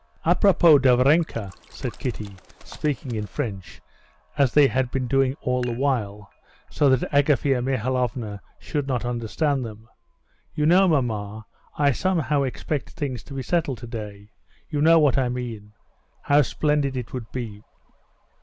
"À propos de Varenka," said Kitty, speaking in French, as they had been doing all the while, so that Agafea Mihalovna should not understand them, "you know, mamma, I somehow expect things to be settled today. You know what I mean. How splendid it would be!"